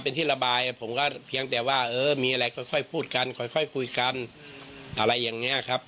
เป็นที่ระบายผมก็เพียงแต่ว่าเออมีอะไรค่อยพูดกันค่อยคุยกันอะไรอย่างนี้ครับ